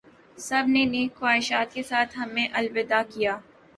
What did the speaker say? سب نے نیک خواہشات کے ساتھ ہمیں الوداع کیا